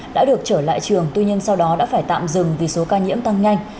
đã được trở lại trường tuy nhiên sau đó đã phải tạm dừng vì số ca nhiễm tăng nhanh